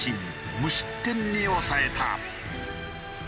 無失点に抑えた。